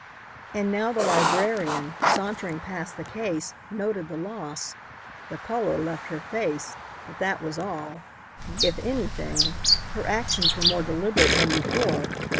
And now the librarian, sauntering past the case, noted the loss. The color left her face, but that was all. If anything, her actions were more deliberate than before.